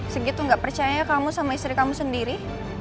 segitu gak percaya kamu sama istri kamu sendiri